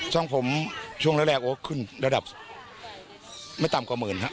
ช่องผมช่วงแรกโอ้ขึ้นระดับไม่ต่ำกว่าหมื่นฮะ